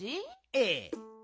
ええ。